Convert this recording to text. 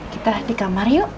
kita di kamar yuk